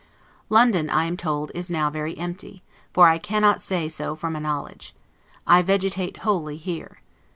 London, I am told, is now very empty, for I cannot say so from knowledge. I vegetate wholly here.